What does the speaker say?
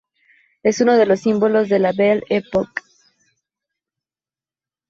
Es uno de los símbolos de la Belle Époque.